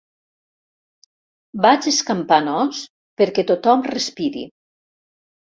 Vaig escampant os perquè tothom respiri.